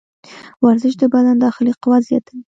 ورزش د بدن داخلي قوت زیاتوي.